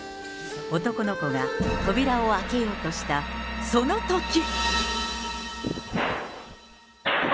男の子が扉を開けようとしたそのとき。